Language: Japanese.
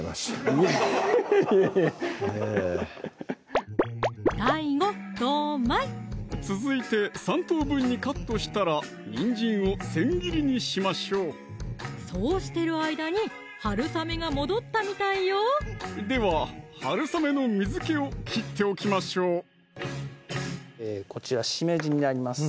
いえいえＤＡＩＧＯドーンマイ続いて３等分にカットしたらにんじんを千切りにしましょうそうしてる間にはるさめが戻ったみたいよでははるさめの水気を切っておきましょうこちらしめじになります